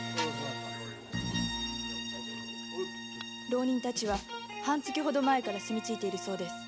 浪人たちは半月ほど前から住んでるそうです。